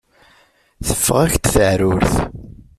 Teffeɣ-ak-d teεrurt.